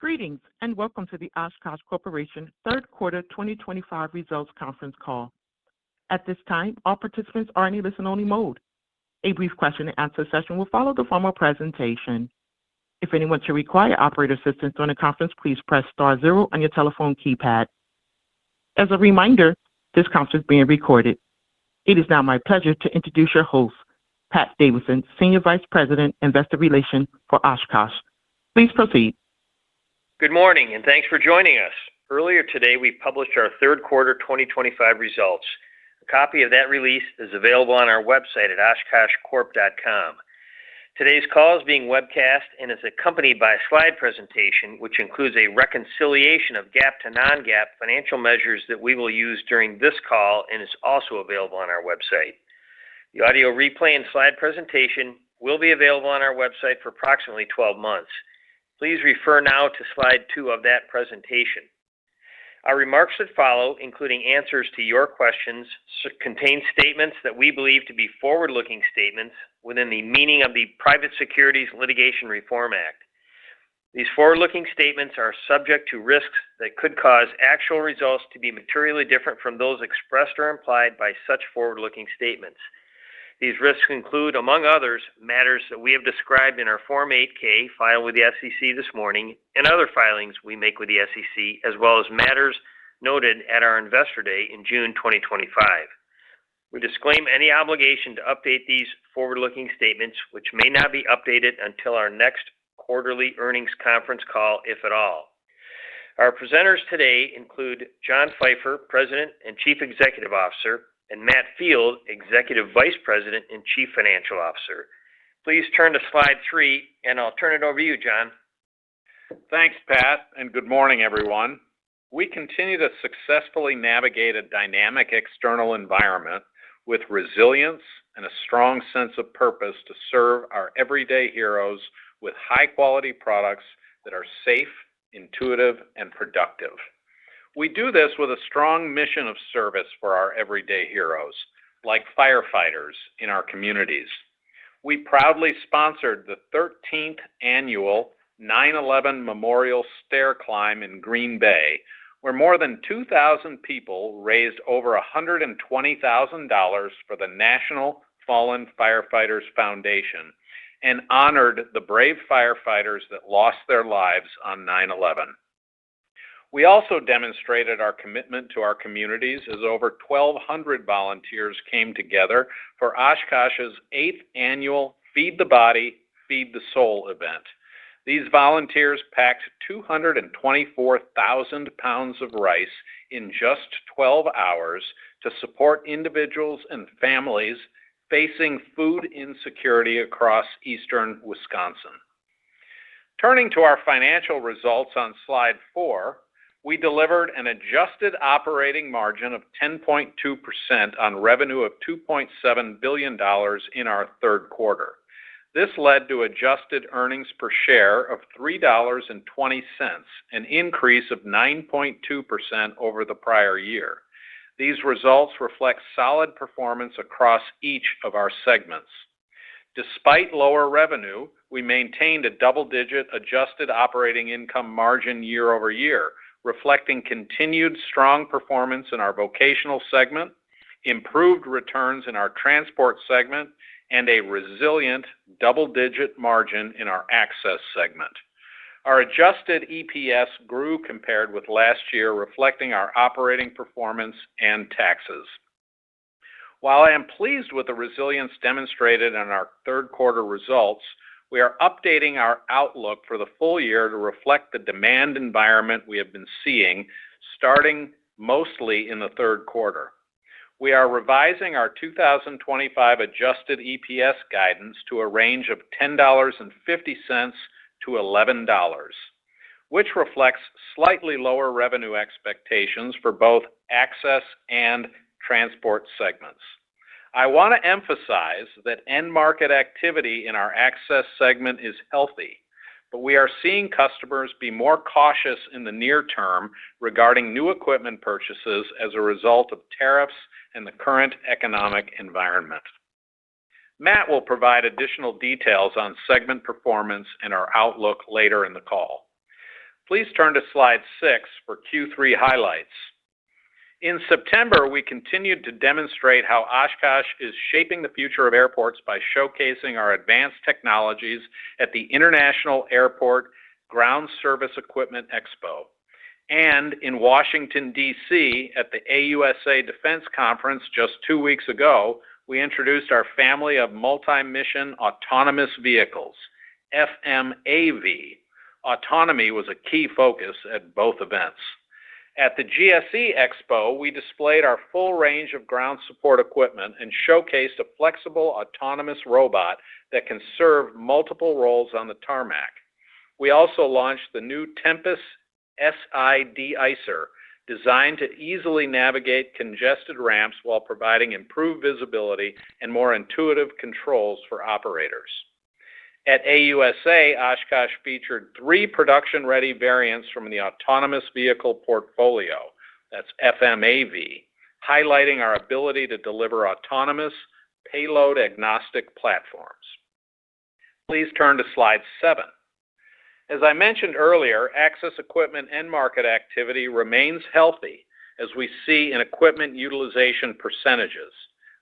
Greetings and welcome to the Oshkosh Corporation third quarter 2025 results conference call. At this time, all participants are in a listen-only mode. A brief question and answer session will follow the formal presentation. If anyone should require operator assistance during the conference, please press star zero on your telephone keypad. As a reminder, this conference is being recorded. It is now my pleasure to introduce your host, Pat Davidson, Senior Vice President, Investor Relations for Oshkosh. Please proceed. Good morning and thanks for joining us. Earlier today, we published our third quarter 2025 results. A copy of that release is available on our website at oshkoshcorp.com. Today's call is being webcast and is accompanied by a slide presentation, which includes a reconciliation of GAAP to non-GAAP financial measures that we will use during this call and is also available on our website. The audio replay and slide presentation will be available on our website for approximately 12 months. Please refer now to slide two of that presentation. Our remarks that follow, including answers to your questions, contain statements that we believe to be forward-looking statements within the meaning of the Private Securities Litigation Reform Act. These forward-looking statements are subject to risks that could cause actual results to be materially different from those expressed or implied by such forward-looking statements. These risks include, among others, matters that we have described in our Form 8-K filed with the SEC this morning and other filings we make with the SEC, as well as matters noted at our Investor Day in June 2025. We disclaim any obligation to update these forward-looking statements, which may not be updated until our next quarterly earnings conference call, if at all. Our presenters today include John Pfeifer, President and Chief Executive Officer, and Matt Field, Executive Vice President and Chief Financial Officer. Please turn to slide three, and I'll turn it over to you, John. Thanks, Pat, and good morning, everyone. We continue to successfully navigate a dynamic external environment with resilience and a strong sense of purpose to serve our everyday heroes with high-quality products that are safe, intuitive, and productive. We do this with a strong mission of service for our everyday heroes, like firefighters in our communities. We proudly sponsored the 13th Annual 9/11 Memorial Stair Climb in Green Bay, where more than 2,000 people raised over $120,000 for the National Fallen Firefighters Foundation and honored the brave firefighters that lost their lives on 9/11. We also demonstrated our commitment to our communities as over 1,200 volunteers came together for Oshkosh's 8th annual Feed the Body, Feed the Soul event. These volunteers packed 224,000 lbs of rice in just 12 hours to support individuals and families facing food insecurity across Eastern Wisconsin. Turning to our financial results on slide four, we delivered an adjusted operating margin of 10.2% on revenue of $2.7 billion in our third quarter. This led to adjusted earnings per share of $3.20, an increase of 9.2% over the prior year. These results reflect solid performance across each of our segments. Despite lower revenue, we maintained a double-digit adjusted operating income margin year over year, reflecting continued strong performance in our vocational segment, improved returns in our transport segment, and a resilient double-digit margin in our Access segment. Our adjusted EPS grew compared with last year, reflecting our operating performance and taxes. While I am pleased with the resilience demonstrated in our third quarter results, we are updating our outlook for the full year to reflect the demand environment we have been seeing, starting mostly in the third quarter. We are revising our 2025 adjusted EPS guidance to a range of $10.50-$11.00, which reflects slightly lower revenue expectations for both Access and transport segments. I want to emphasize that end market activity in our Access segment is healthy, but we are seeing customers be more cautious in the near term regarding new equipment purchases as a result of tariffs and the current economic environment. Matt will provide additional details on segment performance and our outlook later in the call. Please turn to slide six for Q3 highlights. In September, we continued to demonstrate how Oshkosh is shaping the future of airports by showcasing our advanced technologies at the International Airport Ground Service Equipment Expo. In Washington, DC, at the AUSA Defense Conference just two weeks ago, we introduced our family of multi-mission autonomous vehicles, FMAV. Autonomy was a key focus at both events. At the GSE Expo, we displayed our full range of ground support equipment and showcased a flexible autonomous robot that can serve multiple roles on the tarmac. We also launched the new Tempest-si Deicer, designed to easily navigate congested ramps while providing improved visibility and more intuitive controls for operators. At AUSA, Oshkosh featured three production-ready variants from the autonomous vehicle portfolio, that's FMAV, highlighting our ability to deliver autonomous payload-agnostic platforms. Please turn to slide seven. As I mentioned earlier, Access equipment end market activity remains healthy, as we see in equipment utilization percentages.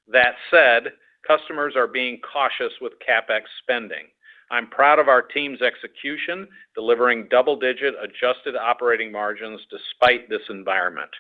That said, customers are being cautious with CapEx spending. I'm proud of our team's execution, delivering double-digit adjusted operating margins despite this environment.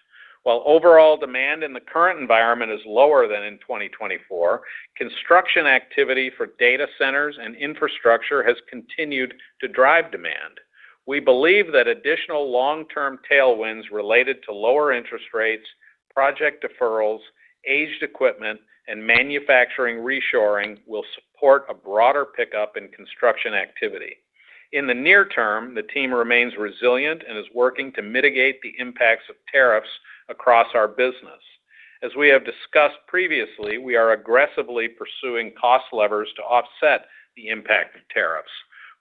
While overall demand in the current environment is lower than in 2024, construction activity for data centers and infrastructure has continued to drive demand. We believe that additional long-term tailwinds related to lower interest rates, project deferrals, aged equipment, and manufacturing reshoring will support a broader pickup in construction activity. In the near term, the team remains resilient and is working to mitigate the impacts of tariffs across our business. As we have discussed previously, we are aggressively pursuing cost levers to offset the impact of tariffs.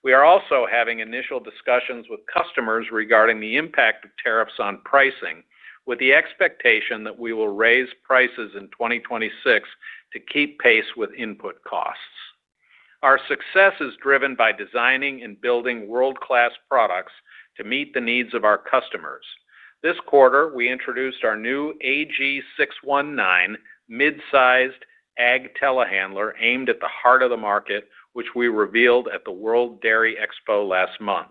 We are also having initial discussions with customers regarding the impact of tariffs on pricing, with the expectation that we will raise prices in 2026 to keep pace with input costs. Our success is driven by designing and building world-class products to meet the needs of our customers. This quarter, we introduced our new AG619 mid-sized ag telehandler aimed at the heart of the market, which we revealed at the World Dairy Expo last month.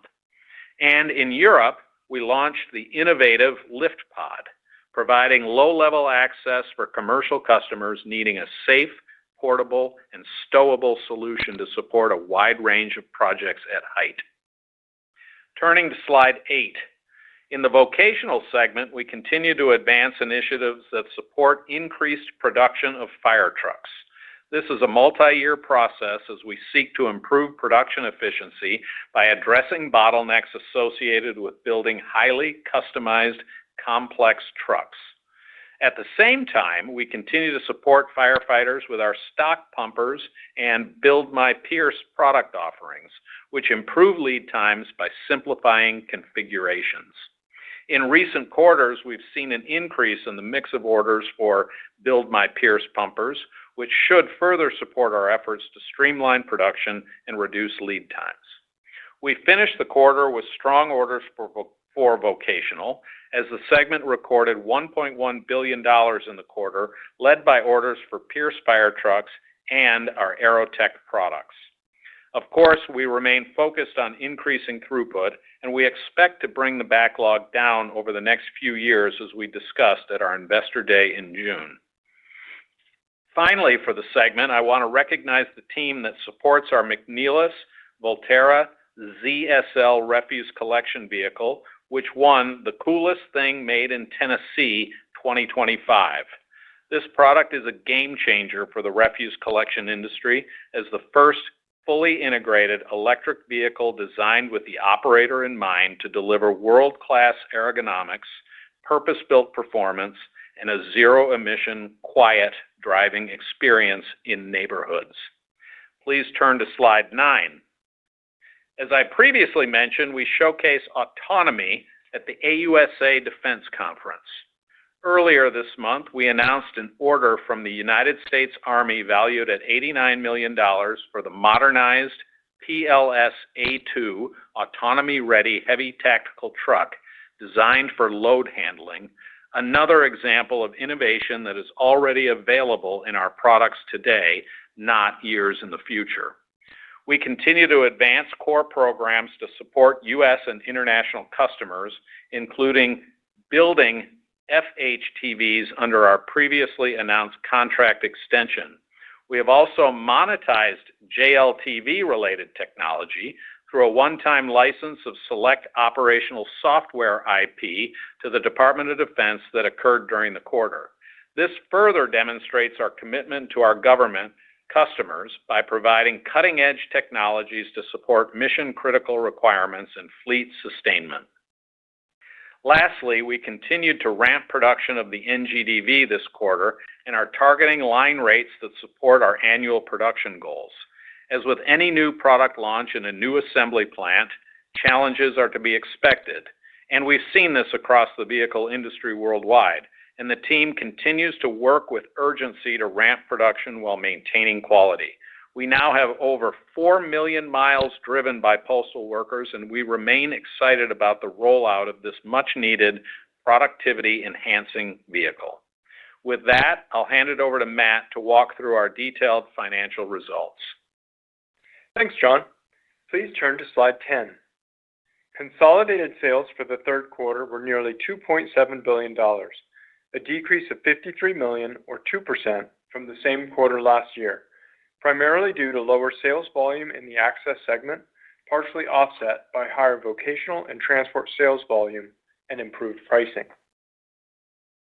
In Europe, we launched the innovative LiftPod, providing low-level access for commercial customers needing a safe, portable, and stowable solution to support a wide range of projects at height. Turning to slide eight. In the vocational segment, we continue to advance initiatives that support increased production of fire trucks. This is a multi-year process as we seek to improve production efficiency by addressing bottlenecks associated with building highly customized, complex trucks. At the same time, we continue to support firefighters with our stock pumpers and Build My Pierce product offerings, which improve lead times by simplifying configurations. In recent quarters, we've seen an increase in the mix of orders for Build My Pierce pumpers, which should further support our efforts to streamline production and reduce lead times. We finished the quarter with strong orders for vocational, as the segment recorded $1.1 billion in the quarter, led by orders for Pierce fire trucks and our AeroTech products. Of course, we remain focused on increasing throughput, and we expect to bring the backlog down over the next few years, as we discussed at our Investor Day in June. Finally, for the segment, I want to recognize the team that supports our McNeilus Volterra ZSL refuse collection vehicle, which won the Coolest Thing Made in Tennessee 2025. This product is a game changer for the refuse collection industry as the first fully integrated electric vehicle designed with the operator in mind to deliver world-class ergonomics, purpose-built performance, and a zero-emission, quiet driving experience in neighborhoods. Please turn to slide nine. As I previously mentioned, we showcase autonomy at the AUSA Defense Conference. Earlier this month, we announced an order from the United States Army valued at $89 million for the modernized PLS A2 autonomy-ready heavy tactical truck designed for load handling, another example of innovation that is already available in our products today, not years in the future. We continue to advance core programs to support U.S. and international customers, including building FHTVs under our previously announced contract extension. We have also monetized JLTV-related technology through a one-time license of select operational software IP to the United States Department of Defense that occurred during the quarter. This further demonstrates our commitment to our government customers by providing cutting-edge technologies to support mission-critical requirements and fleet sustainment. Lastly, we continued to ramp production of the NGDV this quarter and are targeting line rates that support our annual production goals. As with any new product launch in a new assembly plant, challenges are to be expected, and we've seen this across the vehicle industry worldwide. The team continues to work with urgency to ramp production while maintaining quality. We now have over 4 million miles driven by postal workers, and we remain excited about the rollout of this much-needed productivity-enhancing vehicle. With that, I'll hand it over to Matt to walk through our detailed financial results. Thanks, John. Please turn to slide 10. Consolidated sales for the third quarter were nearly $2.7 billion, a decrease of $53 million, or 2% from the same quarter last year, primarily due to lower sales volume in the Access segment, partially offset by higher vocational and transport sales volume and improved pricing.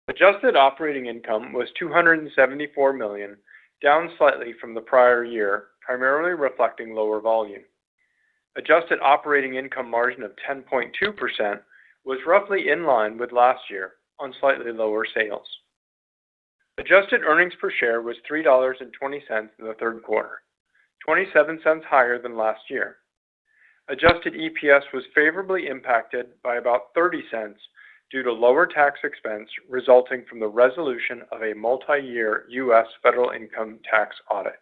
Adjusted operating income was $274 million, down slightly from the prior year, primarily reflecting lower volume. Adjusted operating income margin of 10.2% was roughly in line with last year on slightly lower sales. Adjusted earnings per share was $3.20 in the third quarter, $0.27 higher than last year. Adjusted EPS was favorably impacted by about $0.30 due to lower tax expense resulting from the resolution of a multi-year U.S. federal income tax audit.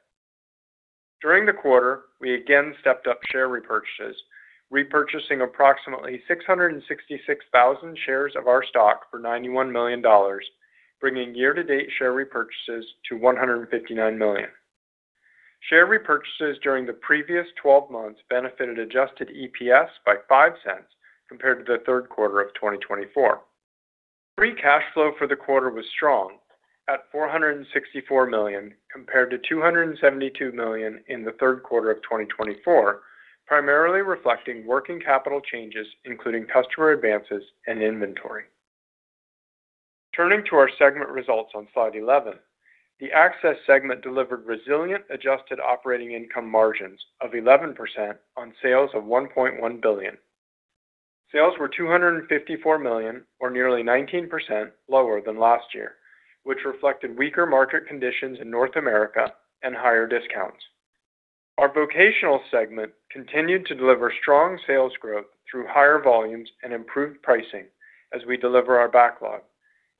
During the quarter, we again stepped up share repurchases, repurchasing approximately 666,000 shares of our stock for $91 million, bringing year-to-date share repurchases to $159 million. Share repurchases during the previous 12 months benefited adjusted EPS by $0.05 compared to the third quarter of 2024. Free cash flow for the quarter was strong at $464 million compared to $272 million in the third quarter of 2024, primarily reflecting working capital changes, including customer advances and inventory. Turning to our segment results on slide 11, the Access segment delivered resilient adjusted operating income margins of 11% on sales of $1.1 billion. Sales were $254 million, or nearly 19% lower than last year, which reflected weaker market conditions in North America and higher discounts. Our vocational segment continued to deliver strong sales growth through higher volumes and improved pricing as we deliver our backlog,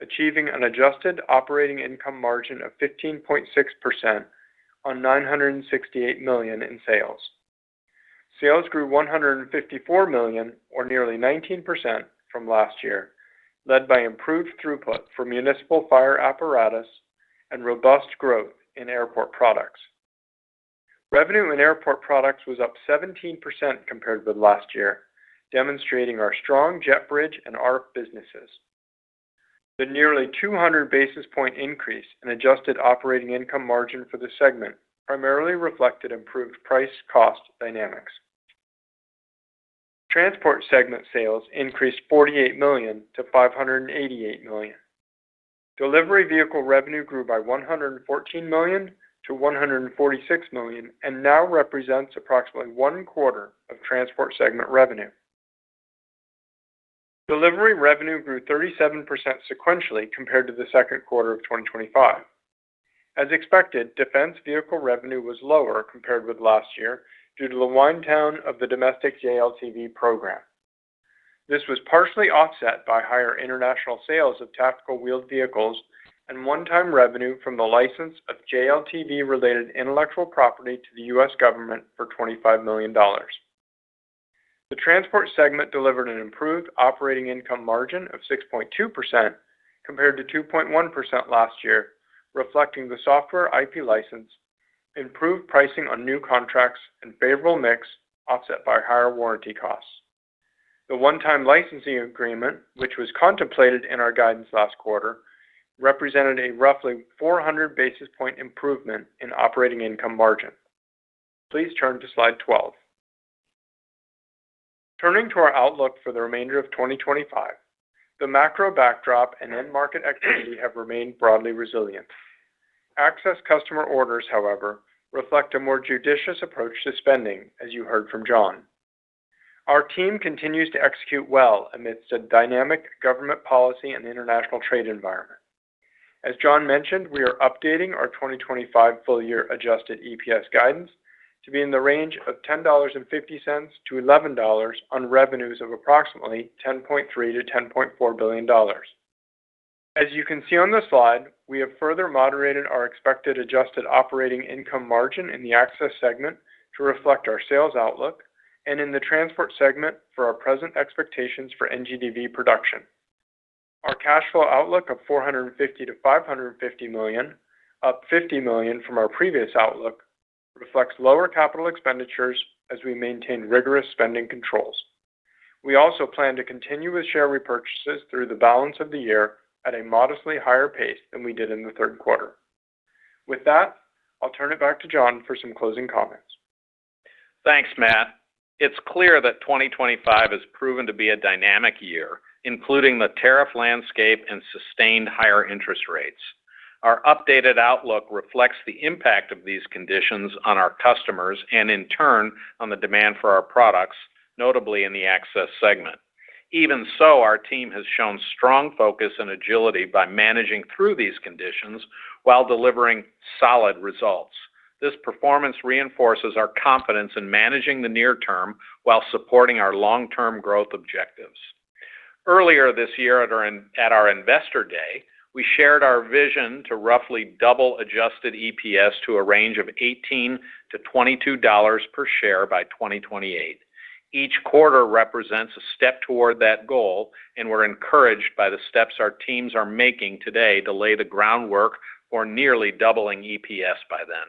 achieving an adjusted operating income margin of 15.6% on $968 million in sales. Sales grew $154 million, or nearly 19% from last year, led by improved throughput for municipal fire apparatus and robust growth in airport products. Revenue in airport products was up 17% compared with last year, demonstrating our strong jet bridge and ARF businesses. The nearly 200 basis point increase in adjusted operating income margin for the segment primarily reflected improved price-cost dynamics. Transport segment sales increased $48 million to $588 million. Delivery vehicle revenue grew by $114 million to $146 million and now represents approximately one quarter of transport segment revenue. Delivery revenue grew 37% sequentially compared to the second quarter of 2025. As expected, defense vehicle revenue was lower compared with last year due to the wind down of the domestic JLTV program. This was partially offset by higher international sales of tactical wheeled vehicles and one-time revenue from the license of JLTV-related intellectual property to the U.S. government for $25 million. The transport segment delivered an improved operating income margin of 6.2% compared to 2.1% last year, reflecting the software IP license, improved pricing on new contracts, and favorable mix offset by higher warranty costs. The one-time licensing agreement, which was contemplated in our guidance last quarter, represented a roughly 400 basis point improvement in operating income margin. Please turn to slide 12. Turning to our outlook for the remainder of 2025, the macro backdrop and end market activity have remained broadly resilient. Access customer orders, however, reflect a more judicious approach to spending, as you heard from John. Our team continues to execute well amidst a dynamic government policy and international trade environment. As John mentioned, we are updating our 2025 full-year adjusted EPS guidance to be in the range of $10.50-$11.00 on revenues of approximately $10.3 billion-$10.4 billion. As you can see on the slide, we have further moderated our expected adjusted operating income margin in the Access segment to reflect our sales outlook and in the transport segment for our present expectations for NGDV production. Our cash flow outlook of $450 million-$550 million, up $50 million from our previous outlook, reflects lower capital expenditures as we maintain rigorous spending controls. We also plan to continue with share repurchases through the balance of the year at a modestly higher pace than we did in the third quarter. With that, I'll turn it back to John for some closing comments. Thanks, Matt. It's clear that 2025 has proven to be a dynamic year, including the tariff landscape and sustained higher interest rates. Our updated outlook reflects the impact of these conditions on our customers and, in turn, on the demand for our products, notably in the Access segment. Even so, our team has shown strong focus and agility by managing through these conditions while delivering solid results. This performance reinforces our confidence in managing the near term while supporting our long-term growth objectives. Earlier this year at our Investor Day, we shared our vision to roughly double adjusted EPS to a range of $18-$22 per share by 2028. Each quarter represents a step toward that goal, and we're encouraged by the steps our teams are making today to lay the groundwork for nearly doubling EPS by then.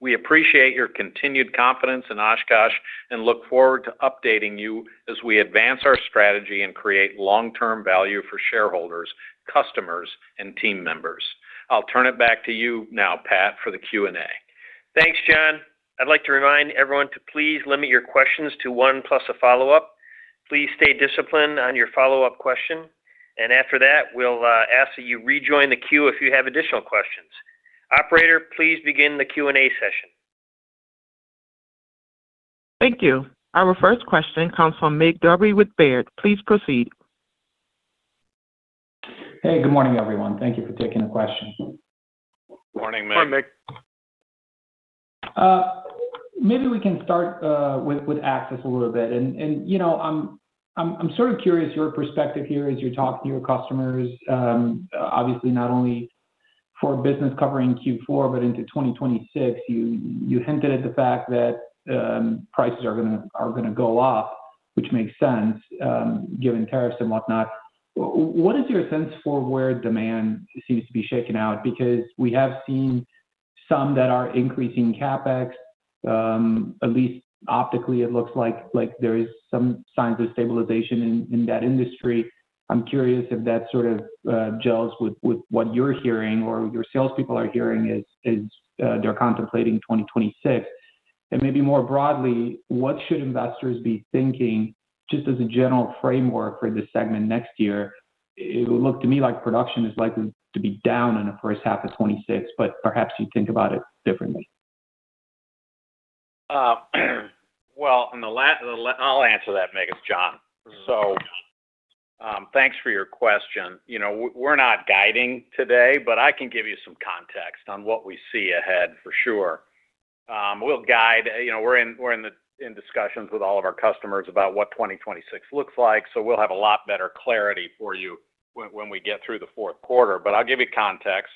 We appreciate your continued confidence in Oshkosh and look forward to updating you as we advance our strategy and create long-term value for shareholders, customers, and team members. I'll turn it back to you now, Pat, for the Q&A. Thanks, John. I'd like to remind everyone to please limit your questions to one plus a follow-up. Please stay disciplined on your follow-up question. After that, we'll ask that you rejoin the queue if you have additional questions. Operator, please begin the Q&A session. Thank you. Our first question comes from Mircea Dobre with Baird. Please proceed. Hey, good morning, everyone. Thank you for taking the question. Morning, Mirc. Morning, Mirc. Maybe we can start with Access a little bit. You know I'm sort of curious your perspective here as you're talking to your customers. Obviously, not only for business covering Q4, but into 2026, you hinted at the fact that prices are going to go up, which makes sense given tariffs and whatnot. What is your sense for where demand seems to be shaken out? We have seen some that are increasing CapEx, at least optically, it looks like there are some signs of stabilization in that industry. I'm curious if that sort of gels with what you're hearing or your salespeople are hearing as they're contemplating 2026. Maybe more broadly, what should investors be thinking just as a general framework for this segment next year? It would look to me like production is likely to be down in the first half of 2026, but perhaps you think about it differently. I'll answer that, Mick, as John. Thanks for your question. You know we're not guiding today, but I can give you some context on what we see ahead for sure. We'll guide. You know we're in discussions with all of our customers about what 2026 looks like. We'll have a lot better clarity for you when we get through the fourth quarter. I'll give you context.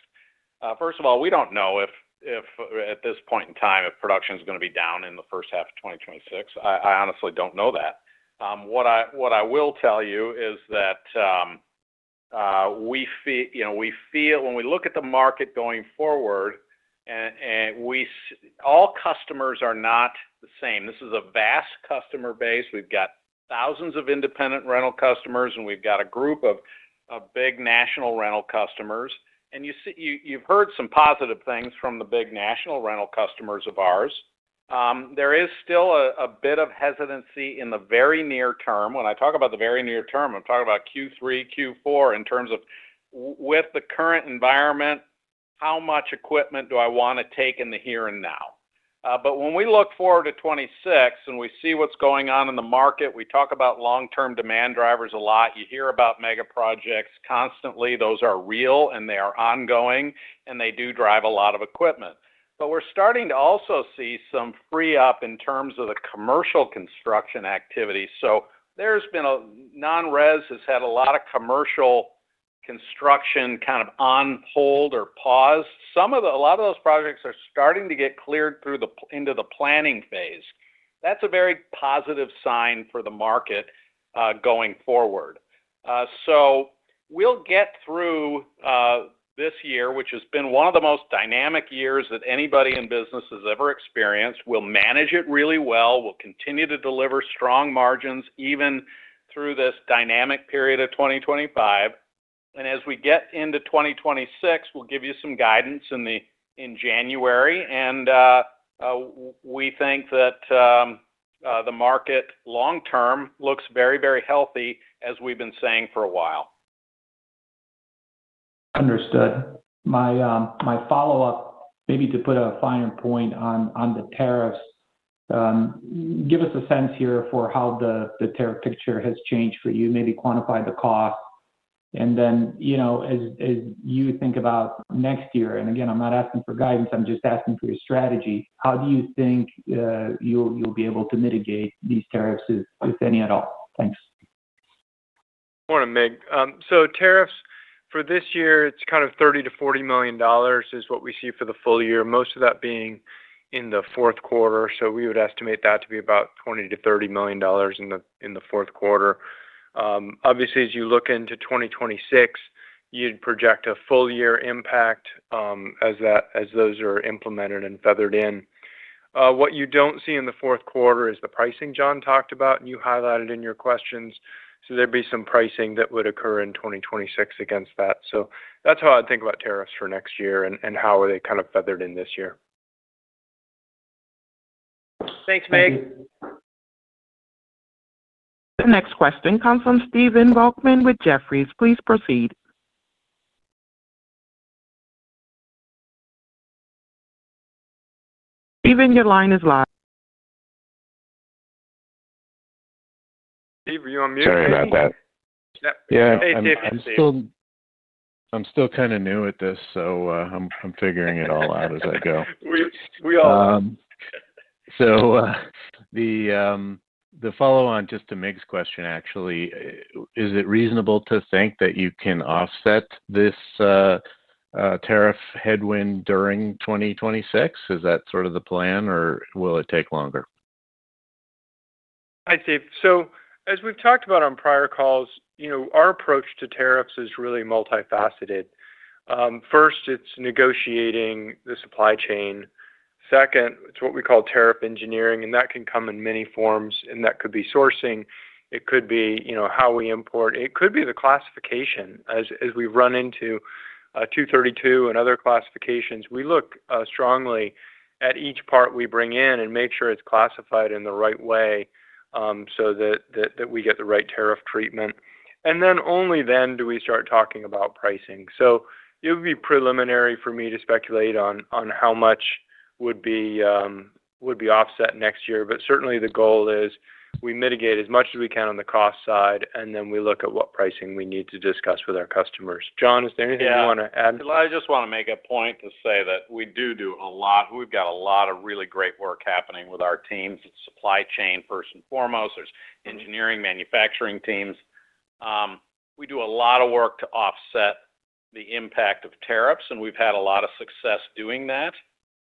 First of all, we don't know at this point in time if production is going to be down in the first half of 2026. I honestly don't know that. What I will tell you is that we feel when we look at the market going forward, all customers are not the same. This is a vast customer base. We've got thousands of independent rental customers, and we've got a group of big national rental customers. You've heard some positive things from the big national rental customers of ours. There is still a bit of hesitancy in the very near term. When I talk about the very near term, I'm talking about Q3, Q4 in terms of with the current environment, how much equipment do I want to take in the here and now? When we look forward to 2026 and we see what's going on in the market, we talk about long-term demand drivers a lot. You hear about mega projects constantly. Those are real and they are ongoing, and they do drive a lot of equipment. We're starting to also see some free up in terms of the commercial construction activity. There's been a non-res has had a lot of commercial construction kind of on hold or paused. A lot of those projects are starting to get cleared into the planning phase. That's a very positive sign for the market, going forward. We'll get through this year, which has been one of the most dynamic years that anybody in business has ever experienced. We'll manage it really well. We'll continue to deliver strong margins even through this dynamic period of 2025. As we get into 2026, we'll give you some guidance in January. We think that the market long term looks very, very healthy, as we've been saying for a while. Understood. My follow-up, maybe to put a finer point on the tariffs, give us a sense here for how the tariff picture has changed for you, maybe quantify the cost. As you think about next year, and again, I'm not asking for guidance, I'm just asking for your strategy, how do you think you'll be able to mitigate these tariffs, if any at all? Thanks. Morning, Mirc. Tariffs for this year, it's kind of $30 million-$40 million is what we see for the full year, most of that being in the fourth quarter. We would estimate that to be about $20 million-$30 million in the fourth quarter. Obviously, as you look into 2026, you'd project a full-year impact as those are implemented and feathered in. What you don't see in the fourth quarter is the pricing John talked about, and you highlighted in your questions. There'd be some pricing that would occur in 2026 against that. That's how I'd think about tariffs for next year and how they're kind of feathered in this year. Thanks, Mirc. The next question comes from Stephen Volkmann with Jefferies. Please proceed. Stephen, your line is live. Stephen, are you on mute? Sorry about that. Yep. Yeah, I'm still kind of new at this, so I'm figuring it all out as I go. We all are. Is it reasonable to think that you can offset this tariff headwind during 2026? Is that sort of the plan, or will it take longer? Hi, Steve. As we've talked about on prior calls, our approach to tariffs is really multifaceted. First, it's negotiating the supply chain. Second, it's what we call tariff engineering, and that can come in many forms, and that could be sourcing. It could be how we import. It could be the classification. As we've run into 232 and other classifications, we look strongly at each part we bring in and make sure it's classified in the right way so that we get the right tariff treatment. Only then do we start talking about pricing. It would be preliminary for me to speculate on how much would be offset next year. Certainly, the goal is we mitigate as much as we can on the cost side, and then we look at what pricing we need to discuss with our customers. John, is there anything you want to add? Yeah. I just want to make a point to say that we do do a lot. We've got a lot of really great work happening with our teams. It's supply chain first and foremost. There's engineering, manufacturing teams. We do a lot of work to offset the impact of tariffs, and we've had a lot of success doing that.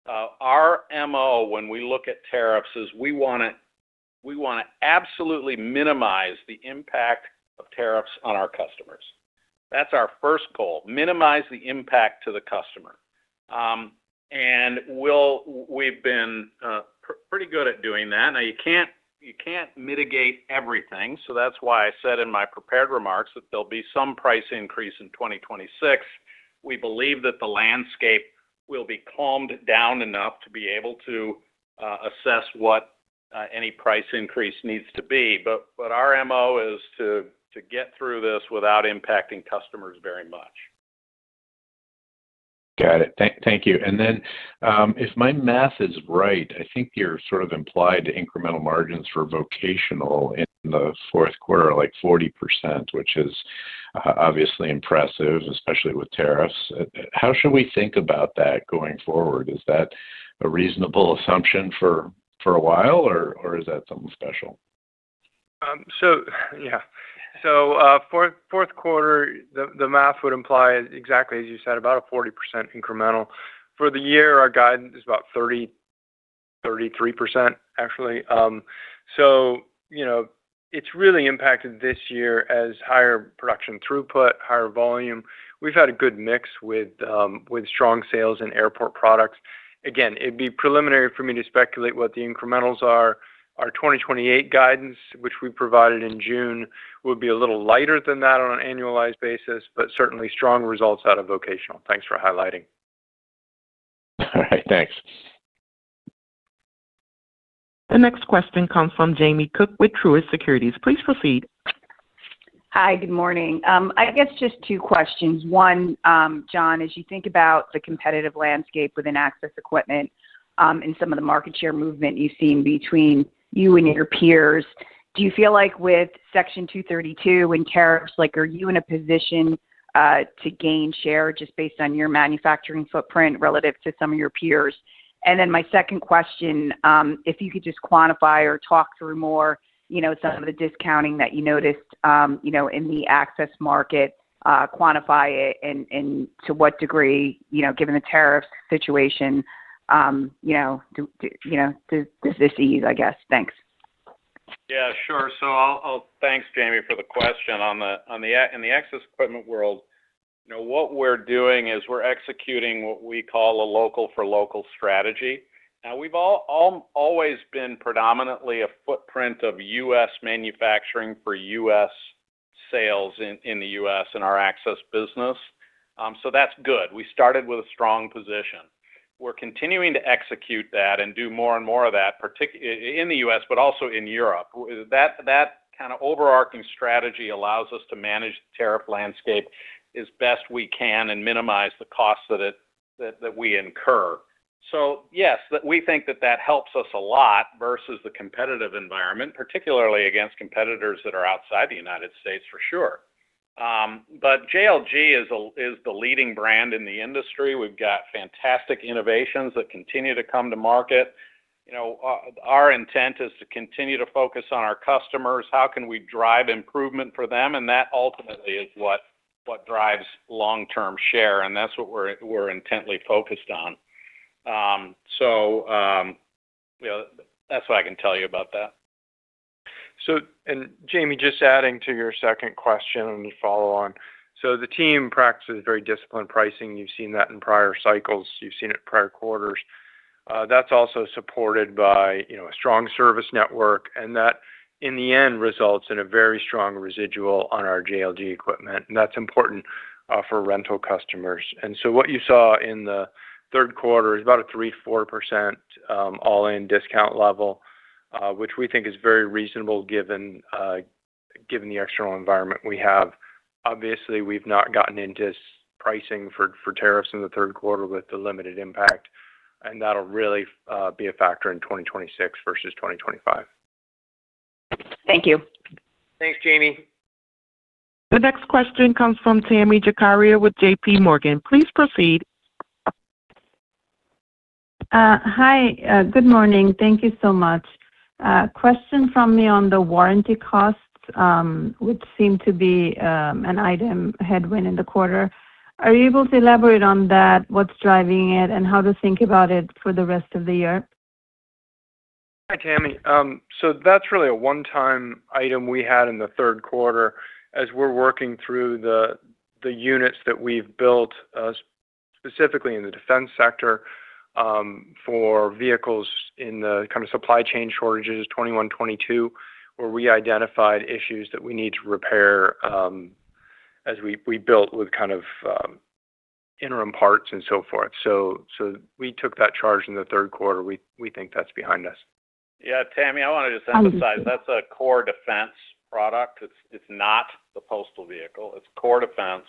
Our MO, when we look at tariffs, is we want to absolutely minimize the impact of tariffs on our customers. That's our first goal, minimize the impact to the customer. We've been pretty good at doing that. You can't mitigate everything. That's why I said in my prepared remarks that there'll be some price increase in 2026. We believe that the landscape will be calmed down enough to be able to assess what any price increase needs to be. Our MO is to get through this without impacting customers very much. Got it. Thank you. If my math is right, I think you're sort of implied to incremental margins for vocational in the fourth quarter, like 40%, which is obviously impressive, especially with tariffs. How should we think about that going forward? Is that a reasonable assumption for a while, or is that something special? Fourth quarter, the math would imply exactly as you said, about a 40% incremental. For the year, our guidance is about 33% actually. It's really impacted this year as higher production throughput, higher volume. We've had a good mix with strong sales in airport products. Again, it'd be preliminary for me to speculate what the incrementals are. Our 2028 guidance, which we provided in June, would be a little lighter than that on an annualized basis, but certainly strong results out of vocational. Thanks for highlighting. All right, thanks. The next question comes from Jamie Cook with Truist Securities. Please proceed. Hi, good morning. I guess just two questions. One, John, as you think about the competitive landscape within Access equipment and some of the market share movement you've seen between you and your peers, do you feel like with Section 232 and tariffs, are you in a position to gain share just based on your manufacturing footprint relative to some of your peers? My second question, if you could just quantify or talk through more, you know some of the discounting that you noticed in the Access market, quantify it, and to what degree, you know given the tariffs situation, does this ease, I guess? Thanks. Yeah, sure. Thanks, Jamie, for the question. In the Access equipment world, you know what we're doing is we're executing what we call a local-for-local strategy. We've always been predominantly a footprint of U.S. manufacturing for U.S. sales in the U.S. in our Access business. That's good. We started with a strong position. We're continuing to execute that and do more and more of that, particularly in the U.S., but also in Europe. That kind of overarching strategy allows us to manage the tariff landscape as best we can and minimize the costs that we incur. Yes, we think that helps us a lot versus the competitive environment, particularly against competitors that are outside the United States, for sure. JLG is the leading brand in the industry. We've got fantastic innovations that continue to come to market. You know our intent is to continue to focus on our customers. How can we drive improvement for them? That ultimately is what drives long-term share, and that's what we're intently focused on. That's what I can tell you about that. Jamie, just adding to your second question and follow-on, the team practices very disciplined pricing. You've seen that in prior cycles. You've seen it in prior quarters. That's also supported by a strong service network, and that in the end results in a very strong residual on our JLG equipment. That's important for rental customers. What you saw in the third quarter is about a 3%-4% all-in discount level, which we think is very reasonable given the external environment we have. Obviously, we've not gotten into pricing for tariffs in the third quarter with the limited impact. That'll really be a factor in 2026 versus 2025. Thank you. Thanks, Jamie. The next question comes from Tami Zakaria with JPMorgan. Please proceed. Hi. Good morning. Thank you so much. Question from me on the warranty costs, which seem to be an item headwind in the quarter. Are you able to elaborate on that, what's driving it, and how to think about it for the rest of the year? Hi, Tami. That's really a one-time item we had in the third quarter as we're working through the units that we've built, specifically in the defense sector for vehicles in the kind of supply chain shortages in 2021 and 2022, where we identified issues that we need to repair as we built with kind of interim parts and so forth. We took that charge in the third quarter. We think that's behind us. Yeah, Tami, I want to just emphasize that's a core defense product. It's not the postal vehicle. It's core defense.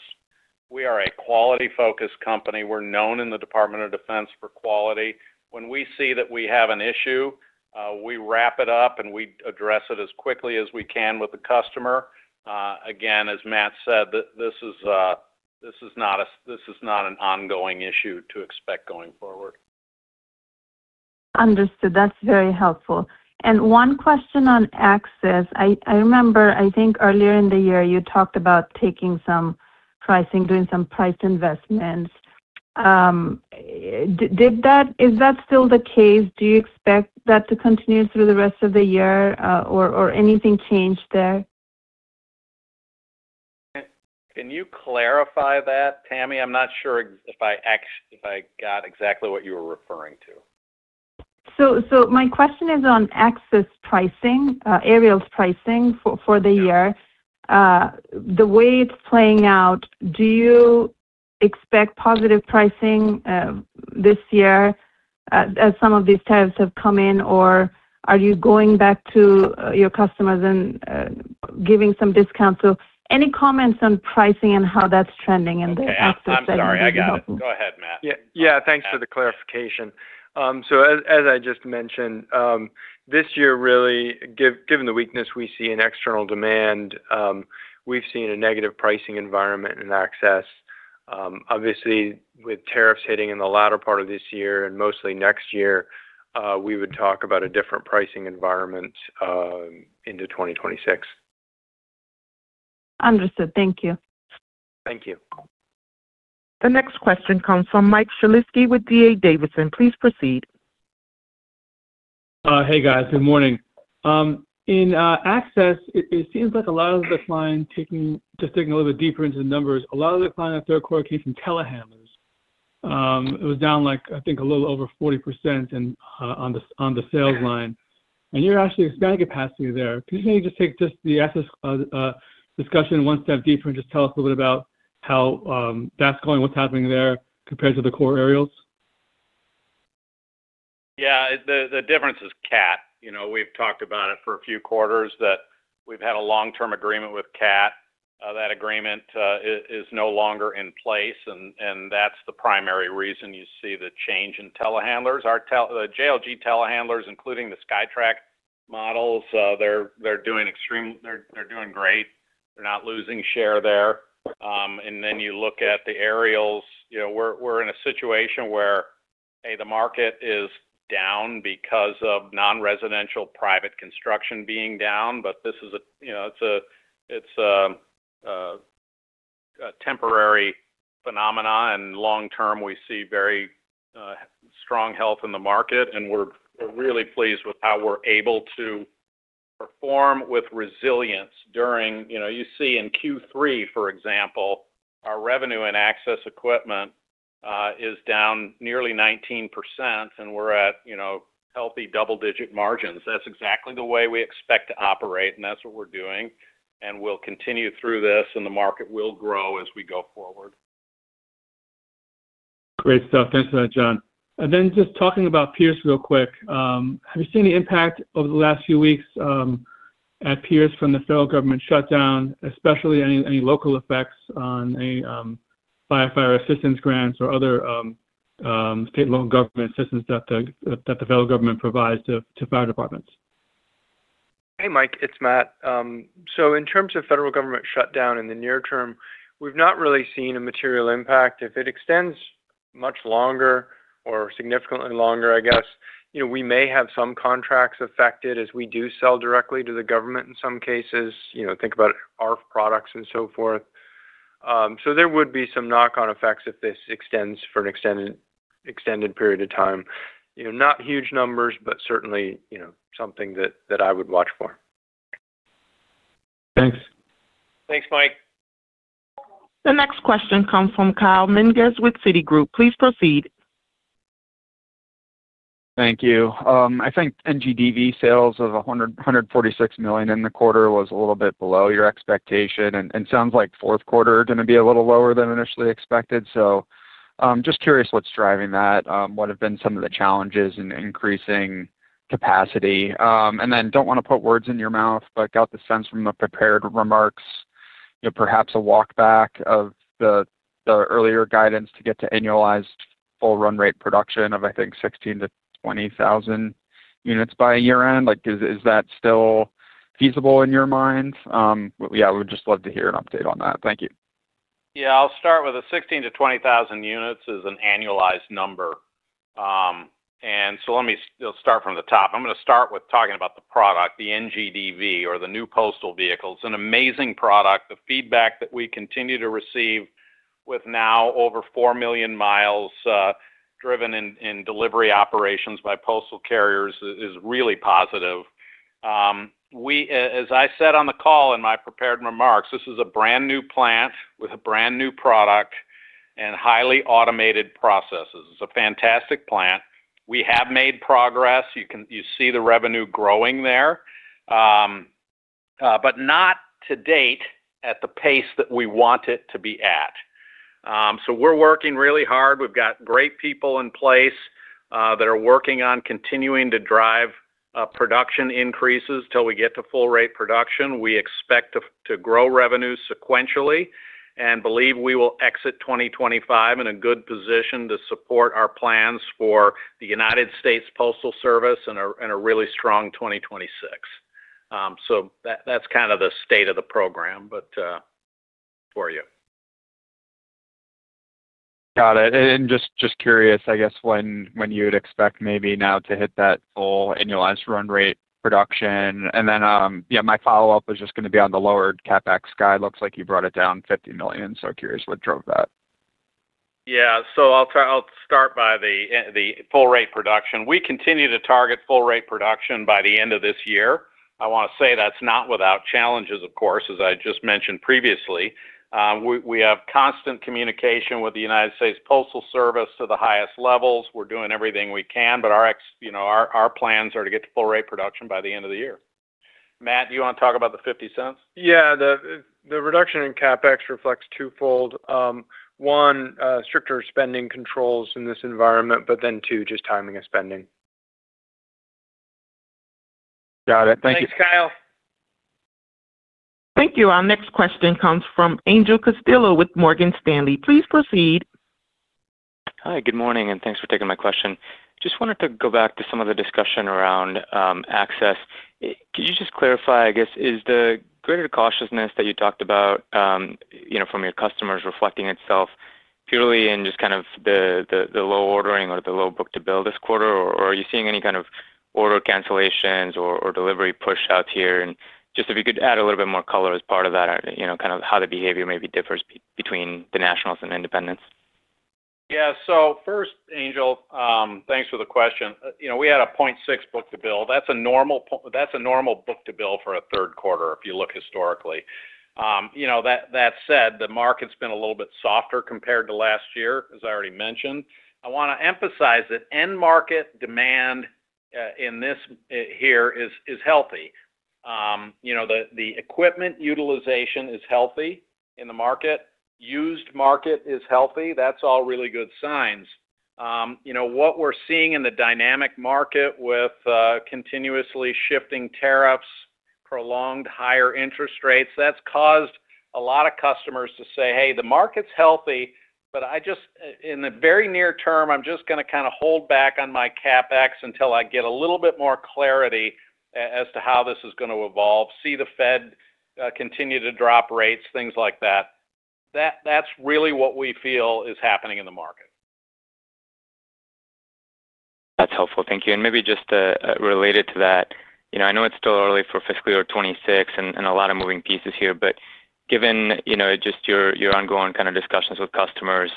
We are a quality-focused company. We're known in the Department of Defense for quality. When we see that we have an issue, we wrap it up and we address it as quickly as we can with the customer. Again, as Matt said, this is not an ongoing issue to expect going forward. Understood. That's very helpful. One question on Access. I remember, I think earlier in the year, you talked about taking some pricing, doing some price investments. Is that still the case? Do you expect that to continue through the rest of the year, or anything changed there? Can you clarify that, Tami? I'm not sure if I got exactly what you were referring to. My question is on Access pricing, aerials pricing for the year. The way it's playing out, do you expect positive pricing this year as some of these tariffs have come in, or are you going back to your customers and giving some discounts? Any comments on pricing and how that's trending in the Access setting would be helpful. Yeah, go ahead, Matt. Yeah, thanks for the clarification. As I just mentioned, this year, really, given the weakness we see in external demand, we've seen a negative pricing environment in Access. Obviously, with tariffs hitting in the latter part of this year and mostly next year, we would talk about a different pricing environment into 2026. Understood. Thank you. Thank you. The next question comes from Mike Shlisky with D.A. Davidson. Please proceed. Hey, guys. Good morning. In Access, it seems like a lot of the clients, just digging a little bit deeper into the numbers, a lot of the clients in the third quarter came from telehandlers. It was down like, I think, a little over 40% on the sales line. You're actually expanding capacity there. Can you maybe just take the Access discussion one step deeper and just tell us a little bit about how that's going, what's happening there compared to the core aerials? Yeah, the difference is CAT. You know we've talked about it for a few quarters that we've had a long-term agreement with CAT. That agreement is no longer in place, and that's the primary reason you see the change in telehandlers. Our JLG telehandlers, including the SkyTrak models, they're doing great. They're not losing share there. You look at the aerials. You know we're in a situation where the market is down because of non-residential private construction being down. This is a temporary phenomenon, and long-term, we see very strong health in the market. We're really pleased with how we're able to perform with resilience during, you know, you see in Q3, for example, our revenue in Access equipment is down nearly 19%, and we're at healthy double-digit margins. That's exactly the way we expect to operate, and that's what we're doing. We'll continue through this, and the market will grow as we go forward. Great stuff. Thanks for that, John. Just talking about Pierce real quick, have you seen the impact over the last few weeks at Pierce from the federal government shutdown, especially any local effects on any firefighter assistance grants or other state and local government assistance that the federal government provides to fire departments? Hey, Mike. It's Matt. In terms of federal government shutdown in the near term, we've not really seen a material impact. If it extends much longer or significantly longer, I guess we may have some contracts affected as we do sell directly to the government in some cases. Think about ARFF products and so forth. There would be some knock-on effects if this extends for an extended period of time. Not huge numbers, but certainly something that I would watch for. Thanks. Thanks, Mike. The next question comes from Kyle Menges with Citigroup. Please proceed. Thank you. I think NGDV sales of $146 million in the quarter was a little bit below your expectation. It sounds like fourth quarter is going to be a little lower than initially expected. I'm just curious what's driving that. What have been some of the challenges in increasing capacity? I don't want to put words in your mouth, but got the sense from the prepared remarks, you know, perhaps a walkback of the earlier guidance to get to annualized full run rate production of, I think, 16,000 units-20,000 units by year-end. Is that still feasible in your mind? We would just love to hear an update on that. Thank you. Yeah, I'll start with a 16,000 units-20,000 units is an annualized number. Let me start from the top. I'm going to start with talking about the product, the NGDV, or the new postal vehicle. It's an amazing product. The feedback that we continue to receive with now over 4 million miles driven in delivery operations by postal carriers is really positive. As I said on the call in my prepared remarks, this is a brand new plant with a brand new product and highly automated processes. It's a fantastic plant. We have made progress. You can see the revenue growing there, but not to date at the pace that we want it to be at. We are working really hard. We've got great people in place that are working on continuing to drive production increases till we get to full-rate production. We expect to grow revenue sequentially and believe we will exit 2025 in a good position to support our plans for the United States Postal Service and a really strong 2026. That's kind of the state of the program, but for you. Got it. Just curious, I guess, when you'd expect maybe now to hit that full annualized run rate production. My follow-up was just going to be on the lowered CapEx guide. It looks like you brought it down $50 million. Curious what drove that. Yeah. I'll start by the full-rate production. We continue to target full-rate production by the end of this year. I want to say that's not without challenges, of course, as I just mentioned previously. We have constant communication with the United States Postal Service to the highest levels. We're doing everything we can, but our plans are to get to full-rate production by the end of the year. Matt, do you want to talk about the $0.50? Yeah, the reduction in CapEx reflects twofold. One, stricter spending controls in this environment, but then two, just timing of spending. Got it. Thank you. Thanks, Kyle. Thank you. Our next question comes from Angel Castillo with Morgan Stanley. Please proceed. Hi, good morning, and thanks for taking my question. I just wanted to go back to some of the discussion around Access. Could you just clarify, I guess, is the greater cautiousness that you talked about from your customers reflecting itself purely in just kind of the low ordering or the low book to build this quarter, or are you seeing any kind of order cancellations or delivery push out here? If you could add a little bit more color as part of that, kind of how the behavior maybe differs between the nationals and independents. Yeah. First, Angel, thanks for the question. We had a 0.6 book-to-bill. That's a normal book-to-bill for a third quarter if you look historically. That said, the market's been a little bit softer compared to last year, as I already mentioned. I want to emphasize that end market demand in this year is healthy. The equipment utilization is healthy in the market. Used market is healthy. That's all really good signs. What we're seeing in the dynamic market with continuously shifting tariffs, prolonged higher interest rates, that's caused a lot of customers to say, "Hey, the market's healthy, but I just, in the very near term, I'm just going to kind of hold back on my CapEx until I get a little bit more clarity as to how this is going to evolve, see the Fed continue to drop rates, things like that." That's really what we feel is happening in the market. That's helpful. Thank you. Maybe just related to that, I know it's still early for fiscal year 2026 and a lot of moving pieces here, but given your ongoing kind of discussions with customers,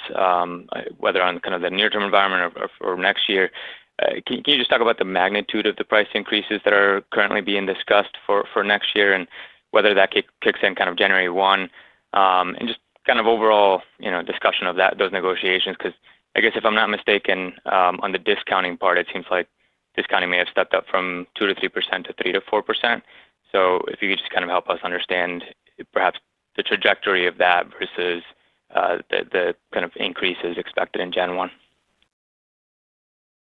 whether on the near-term environment or next year, can you just talk about the magnitude of the price increases that are currently being discussed for next year and whether that kicks in January 1? Just kind of overall discussion of those negotiations, because I guess if I'm not mistaken, on the discounting part, it seems like discounting may have stepped up from 2% to 3% to 3% to 4%. If you could just help us understand perhaps the trajectory of that versus the kind of increases expected in Gen 1.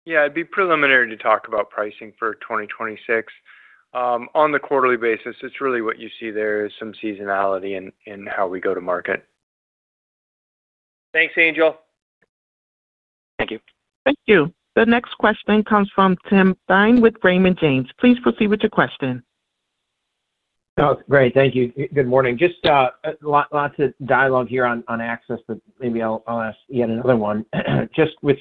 Yeah, it'd be preliminary to talk about pricing for 2026. On the quarterly basis, what you see there is some seasonality in how we go to market. Thanks, Angel. Thank you. Thank you. The next question comes from Tim Thein with Raymond James. Please proceed with your question. Oh, great. Thank you. Good morning. Just lots of dialogue here on Access, but maybe I'll ask yet another one. Just with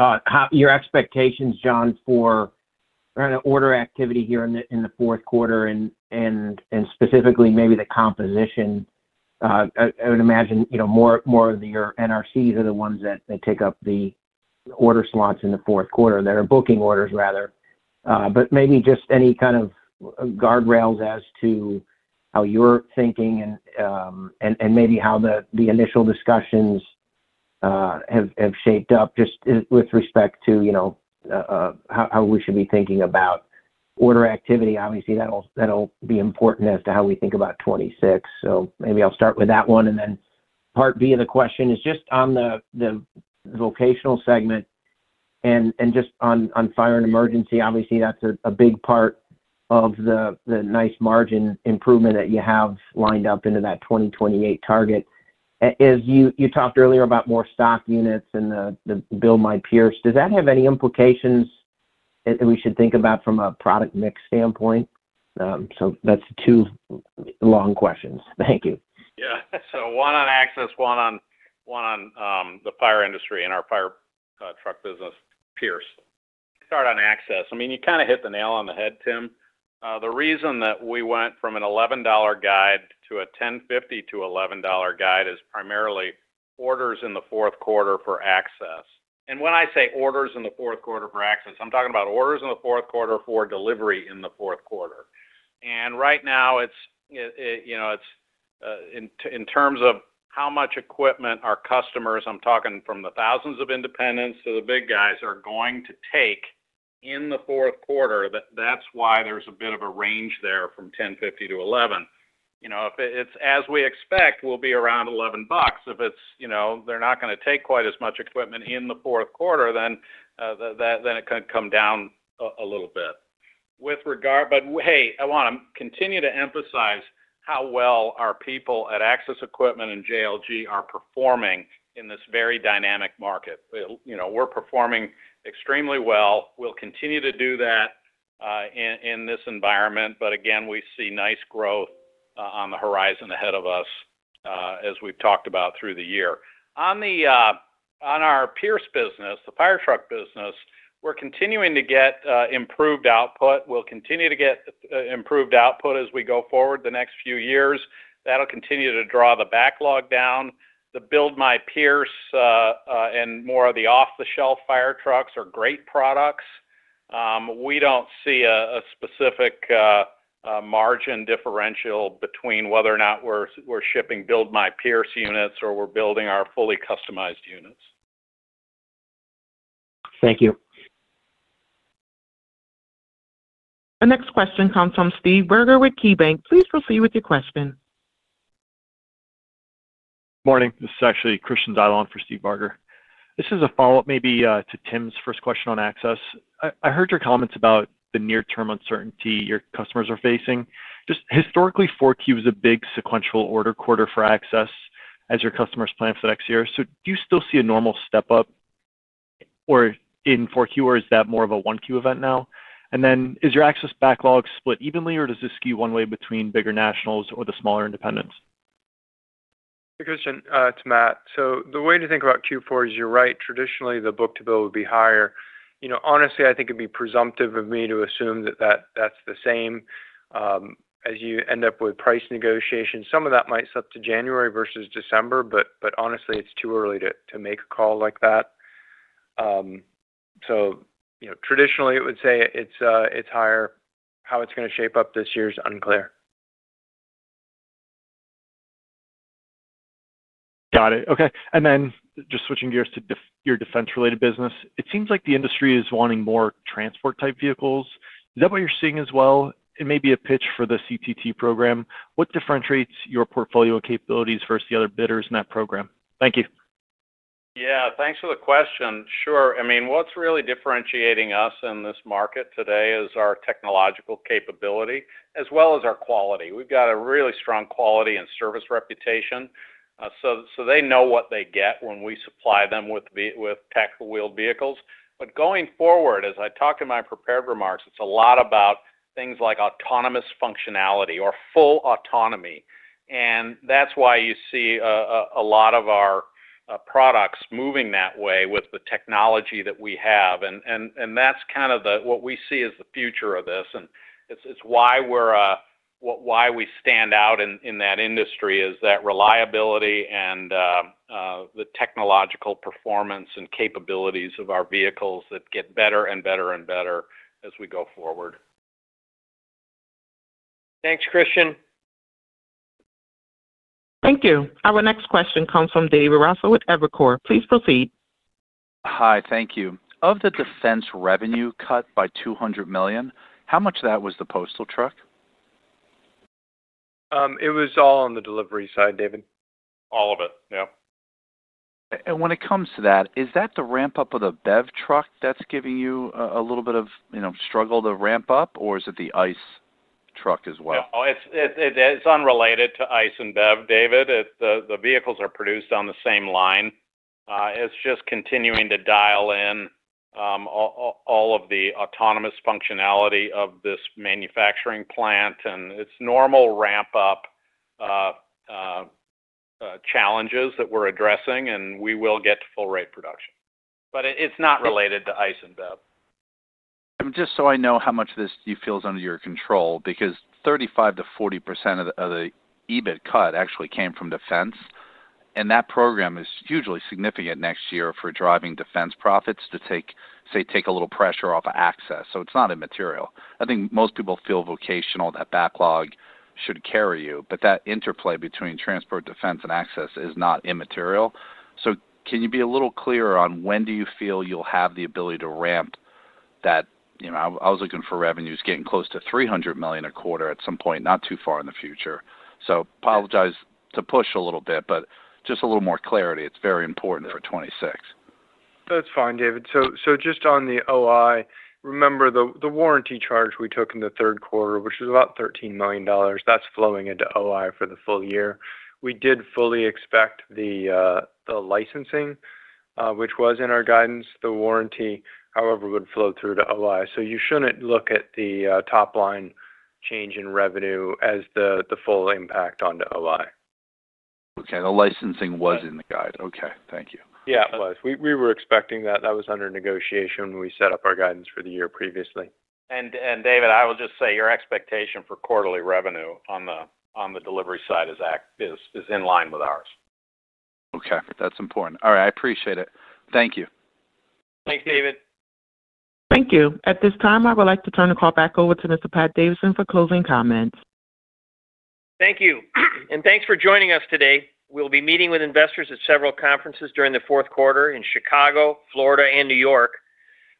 respect to your expectations, John, for kind of order activity here in the fourth quarter and specifically maybe the composition, I would imagine, you know, more of your NRCs are the ones that take up the order slots in the fourth quarter, that are booking orders rather. Maybe just any kind of guardrails as to how you're thinking and maybe how the initial discussions have shaped up just with respect to, you know, how we should be thinking about order activity. Obviously, that'll be important as to how we think about 2026. Maybe I'll start with that one. Part B of the question is just on the vocational segment and just on fire and emergency. Obviously, that's a big part of the nice margin improvement that you have lined up into that 2028 target. As you talked earlier about more stock units and the Build My Pierce, does that have any implications that we should think about from a product mix standpoint? That's the two long questions. Thank you. Yeah. One on Access, one on the fire industry and our fire truck business, Pierce. Start on Access. You kind of hit the nail on the head, Tim. The reason that we went from an $11 guide to a $10.50-$11 guide is primarily orders in the fourth quarter for Access. When I say orders in the fourth quarter for Access, I'm talking about orders in the fourth quarter for delivery in the fourth quarter. Right now, it's, you know, in terms of how much equipment our customers, I'm talking from the thousands of independents to the big guys, are going to take in the fourth quarter. That's why there's a bit of a range there from $10.50-$11. You know, if it's as we expect, we'll be around $11. If it's, you know, they're not going to take quite as much equipment in the fourth quarter, then it could come down a little bit. I want to continue to emphasize how well our people at Access equipment and JLG are performing in this very dynamic market. We're performing extremely well. We'll continue to do that in this environment. Again, we see nice growth on the horizon ahead of us as we've talked about through the year. On our Pierce business, the fire truck business, we're continuing to get improved output. We'll continue to get improved output as we go forward the next few years. That'll continue to draw the backlog down. The Build My Pierce and more of the off-the-shelf fire trucks are great products. We don't see a specific margin differential between whether or not we're shipping Build My Pierce units or we're building our fully customized units. Thank you. The next question comes from Steve Berger with KeyBank. Please proceed with your question. Morning. This is actually Christian Dialon for Steve Barger. This is a follow-up maybe to Tim's first question on Access. I heard your comments about the near-term uncertainty your customers are facing. Just historically, 4Q was a big sequential order quarter for Access as your customers plan for the next year. Do you still see a normal step-up in 4Q, or is that more of a 1Q event now? Is your Access backlog split evenly, or does it skew one way between bigger nationals or the smaller independents? Hey, Christian. It's Matt. The way to think about Q4 is you're right. Traditionally, the book-to-bill would be higher. Honestly, I think it'd be presumptive of me to assume that that's the same. As you end up with price negotiations, some of that might slip to January versus December, but honestly, it's too early to make a call like that. Traditionally, I would say it's higher. How it's going to shape up this year is unclear. Got it. Okay. Just switching gears to your defense-related business, it seems like the industry is wanting more transport-type vehicles. Is that what you're seeing as well? It may be a pitch for the CTT program. What differentiates your portfolio capabilities versus the other bidders in that program? Thank you. Yeah, thanks for the question. Sure. I mean, what's really differentiating us in this market today is our technological capability as well as our quality. We've got a really strong quality and service reputation. They know what they get when we supply them with tactical wheeled vehicles. Going forward, as I talked in my prepared remarks, it's a lot about things like autonomous functionality or full autonomy. That's why you see a lot of our products moving that way with the technology that we have. That's kind of what we see as the future of this. It's why we stand out in that industry, the reliability and the technological performance and capabilities of our vehicles that get better and better and better as we go forward. Thanks, Christian. Thank you. Our next question comes from David Raso with Evercore. Please proceed. Hi, thank you. Of the defense revenue cut by $200 million, how much of that was the postal truck? It was all on the delivery side, David. All of it, yeah. When it comes to that, is that the ramp-up of the BEV truck that's giving you a little bit of struggle to ramp up, or is it the ICE truck as well? No, it's unrelated to ICE and BEV, David. The vehicles are produced on the same line. It's just continuing to dial in all of the autonomous functionality of this manufacturing plant and its normal ramp-up challenges that we're addressing, and we will get to full-rate production. It is not related to ICE and BEV. Just so I know how much of this you feel is under your control, because 35%-40% of the EBIT cut actually came from defense. That program is hugely significant next year for driving defense profits to take, say, take a little pressure off of Access. It's not immaterial. I think most people feel vocational, that backlog should carry you. That interplay between transport, defense, and Access is not immaterial. Can you be a little clearer on when you feel you'll have the ability to ramp that? I was looking for revenues getting close to $300 million a quarter at some point, not too far in the future. I apologize to push a little bit, but just a little more clarity. It's very important for 2026. That's fine, David. Just on the OI, remember the warranty charge we took in the third quarter, which was about $13 million. That's flowing into OI for the full year. We did fully expect the licensing, which was in our guidance. The warranty, however, would flow through to OI. You shouldn't look at the top line change in revenue as the full impact onto OI. Okay. The licensing was in the guide. Okay. Thank you. Yeah, it was. We were expecting that. That was under negotiation when we set up our guidance for the year previously. David, I will just say your expectation for quarterly revenue on the delivery side is in line with ours. Okay, that's important. All right, I appreciate it. Thank you. Thanks, David. Thank you. At this time, I would like to turn the call back over to Mr. Pat Davidson for closing comments. Thank you. Thanks for joining us today. We'll be meeting with investors at several conferences during the fourth quarter in Chicago, Florida, and New York.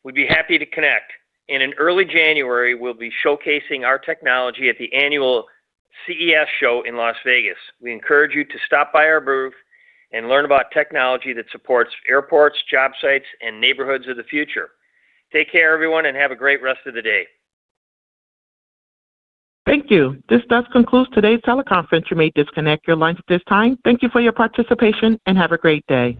We'd be happy to connect. In early January, we'll be showcasing our technology at the annual CES show in Las Vegas. We encourage you to stop by our booth and learn about technology that supports airports, job sites, and neighborhoods of the future. Take care, everyone, and have a great rest of the day. Thank you. This does conclude today's teleconference. You may disconnect your lines at this time. Thank you for your participation and have a great day.